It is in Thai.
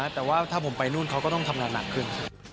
แต่ว่าถ้าผมไปนู่นเขาก็ต้องทำงานหนักขึ้น